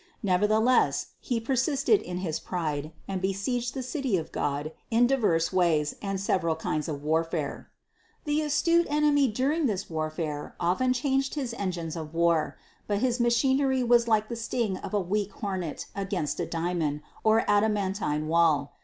Nevertheless he persisted in his pride and besieged the City of God in diverse ways and several kinds of warfare. The astute enemy during this warfare often changed his engines of war, but his machinery was like the sting of a weak hornet against a diamond, or adamantine wall.